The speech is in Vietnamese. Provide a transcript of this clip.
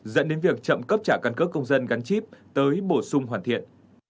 dẫn đến việc chậm cấp trả căn cước công dân gắn chip tới bổ sung hoàn thiện